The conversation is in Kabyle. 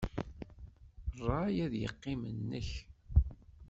Ṛṛay ad yeqqim nnek.